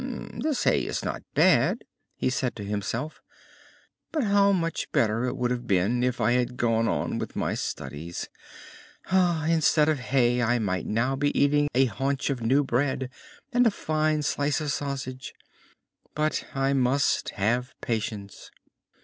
"This hay is not bad," he said to himself; "but how much better it would have been if I had gone on with my studies! Instead of hay I might now be eating a hunch of new bread and a fine slice of sausage. But I must have patience!"